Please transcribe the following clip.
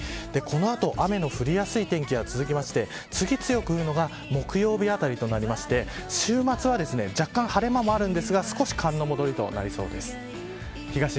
この後雨の降りやすい天気が続きまして次に強く降るのが木曜日あたりとなりまして週末は若干晴れ間もあるんですが少し寒の戻りとなりそうです。